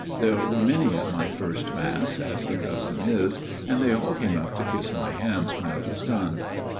There were many at my first Mass, as the custom is, and they all came up to kiss my hands when it was done.